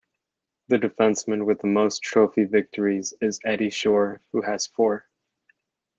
The defenseman with the most trophy victories is Eddie Shore, who has four.